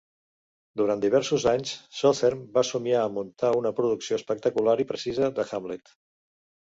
Durant diversos anys, Sothern va somiar a muntar una producció espectacular i precisa de "Hamlet".